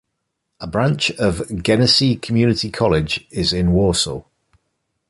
A branch of Genesee Community College is in Warsaw.